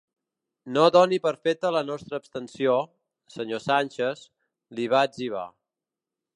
No doni per feta la nostra abstenció, senyor Sánchez, li va etzibar.